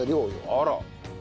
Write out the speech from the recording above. あら！